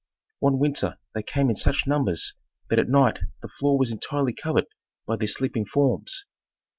One winter they came in such numbers that at night the floor was entirely covered by their sleeping forms.